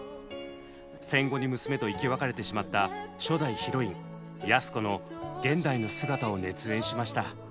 戦後に娘と生き別れてしまった初代ヒロイン安子の現代の姿を熱演しました。